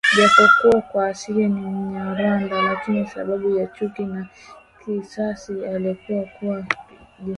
Japokuwa kwa asili ni mnyarwanda lakini sababu ya chuki na kisasi alikubali kuwa jasusi